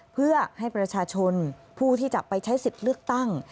เพื่อให้ประชาชนผู้ที่จะไปใช้สิทธิ์เลือกตั้ง